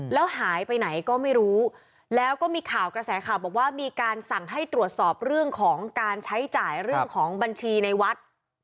แล้วหายไปไหนก็ไม่รู้แล้วก็มีข่าวกระแสข่าวบอกว่ามีการสั่งให้ตรวจสอบเรื่องของการใช้จ่ายเรื่องของบัญชีในวัด